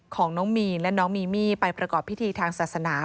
ของน้องมีนและน้องมีมี่ไปประกอบพิธีทางศาสนา